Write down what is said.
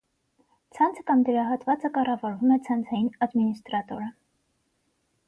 Ցանցը կամ դրա հատվածը կառավարում է ցանցային ադմինիստրատորը։